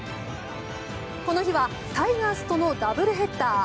この日はタイガースとのダブルヘッダー。